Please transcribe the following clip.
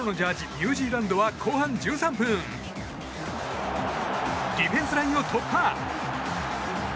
ニュージーランドは後半１３分ディフェンスラインを突破。